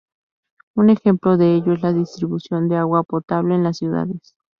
Un ejemplo de ello es la distribución de agua potable en las ciudades.